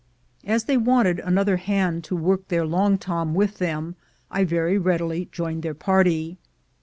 As they wanted another hand to work their long tom with them, I very readily joined their party.